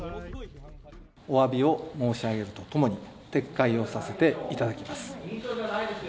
おわびを申し上げるとともに、撤回をさせていただきます。